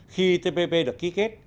khi tpp được ký kết